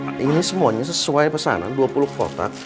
jak ini semuanya sesuai pesanan dua puluh voltak